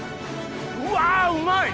うわうまい！